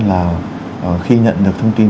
là khi nhận được thông tin